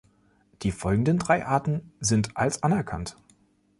Die folgenden drei Arten sind als anerkannt.